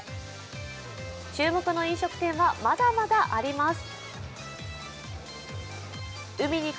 注目の飲食店はまだまだあります。